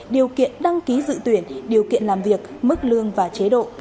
điều kiện đăng ký dự tuyển điều kiện làm việc mức lương và chế độ